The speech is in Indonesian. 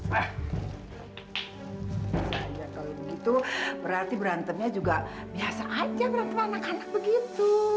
wah iya kalau begitu berarti berantemnya juga biasa aja berantem anak anak begitu